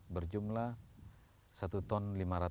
berjumlah satu ton lima ratus